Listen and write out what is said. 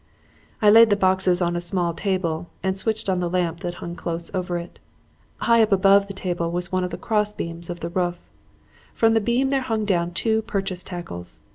"I laid the boxes on a small table and switched on the lamp that hung close over it. High up above the table was one of the cross beams of the roof. From the beam there hung down two purchase tackles.